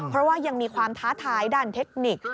เพราะว่ายังมีความท้าทายด้านเทคนิค